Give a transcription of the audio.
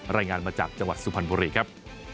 รายงานมาจากจังหวัดสุพรรณบุรีครับ